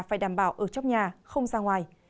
phải đảm bảo ở trong nhà không ra ngoài